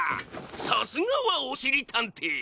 さすがはおしりたんてい！